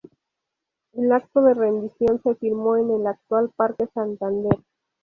El acto de rendición se firmó en el actual parque Santander.